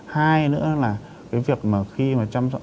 hai nữa là cái việc mà khi mà chăm chọn